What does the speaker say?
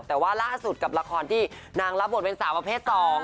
แต่ว่าล่าสุดกับละครที่นางรับบทเป็นสาวประเภท๒